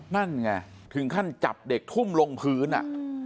นั่นไงถึงขั้นจับเด็กทุ่มลงพื้นอ่ะ